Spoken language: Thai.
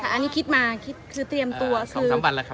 อันนี้คิดมาคิดคือเตรียมตัว๒๓วันแล้วครับ